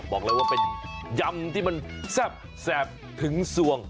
บอกเลยว่าเป็นยำที่มันแซ่บแสบถึงสวง